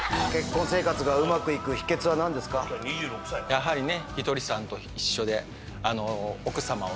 やはりね。